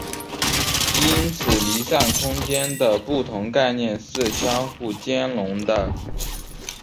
因此离散空间的不同概念是相互兼容的。